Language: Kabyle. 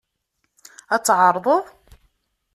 Ad tɛerḍeḍ?